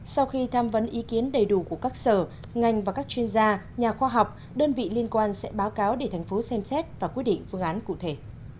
sau khi tham vấn ý kiến đầy đủ của các sở ngành và các chuyên gia nhà khoa học đơn vị liên quan sẽ báo cáo để thành phố xem xét và quyết định phương án cụ thể